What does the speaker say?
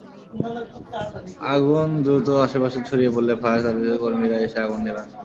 আগুন দ্রুত আশপাশে ছড়িয়ে পড়লে ফায়ার সার্ভিসের কর্মীরা এসে আগুন নেভান।